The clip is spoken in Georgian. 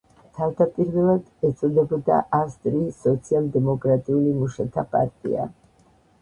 თავდაპირველად ეწოდებოდა ავსტრიის სოციალ-დემოკრატიული მუშათა პარტია.